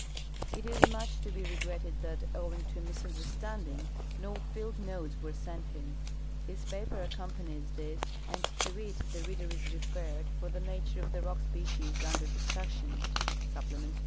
It is much to be regretted that, owing to a misunderstand ing, no field notes were sent him. His paper accompanies this, and to it the reader is referred for the nature of the rock species under discussion (supplement ii).